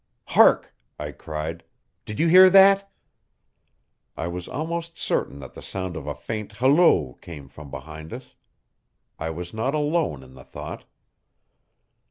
"Hark!" I cried. "Did you hear that?" I was almost certain that the sound of a faint halloo came from behind us. I was not alone in the thought.